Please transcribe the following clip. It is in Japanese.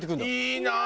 いいなあ！